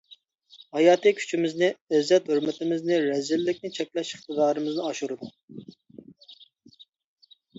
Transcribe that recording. ھاياتىي كۈچىمىزنى، ئىززەت ھۆرمىتىمىزنى، رەزىللىكنى چەكلەش ئىقتىدارىمىزنى ئاشۇرىدۇ.